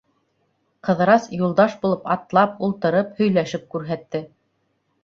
Ҡыҙырас Юлдаш булып атлап, ултырып, һөйләшеп күрһәтте.